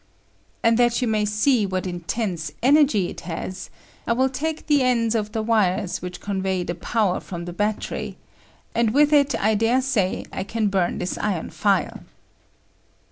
(^*) And that you may see what intense energy it has, I will take the ends of the wires which convey the power from the battery, and with it I dare say I can burn this iron file.